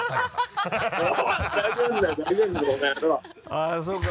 あっそうか。